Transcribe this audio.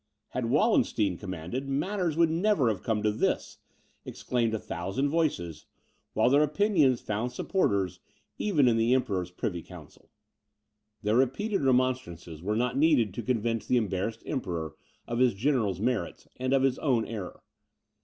"Had Wallenstein commanded, matters would never have come to this," exclaimed a thousand voices; while their opinions found supporters, even in the Emperor's privy council. Their repeated remonstrances were not needed to convince the embarrassed Emperor of his general's merits, and of his own error.